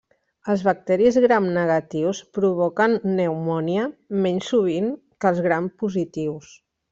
Els bacteris gramnegatius provoquen pneumònia menys sovint que els grampositius.